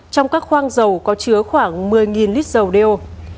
trong các khoang dầu có chứa khoảng một mươi lít dầu đeo